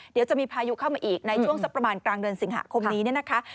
เดี๋ยวจะมีพายุเข้ามาอีกในช่วงสักประมาณกลางเดือนสิงหาคมนี้เนี่ยนะคะ